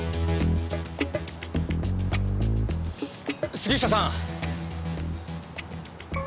杉下さん！